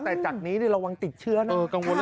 แต่จากนี้ระวังติดเชื้อนะ